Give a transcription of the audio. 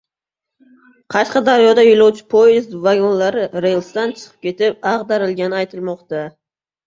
Qashqadaryoda yo‘lovchi poyezdi vagonlari relsdan chiqib ketib, ag‘darilgani aytilmoqda